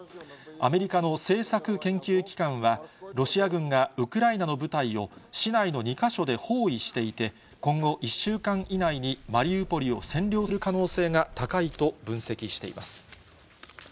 アメリカの政策研究機関は、ロシア軍がウクライナの部隊を市内の２か所で包囲していて、今後１週間以内に、マリウポリを占領する可能性が高いと分析しています。